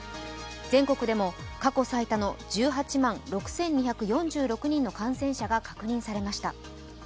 全国でも過去最多の１８万６２４６人の感染が確認されました。